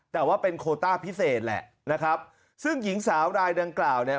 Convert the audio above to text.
แต่ว่าเป็นโคต้าพิเศษแหละนะครับซึ่งหญิงสาวรายดังกล่าวเนี่ย